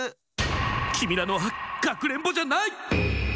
きみらのはかくれんぼじゃない！